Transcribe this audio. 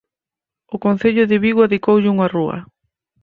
O concello de Vigo adicoulle unha rúa.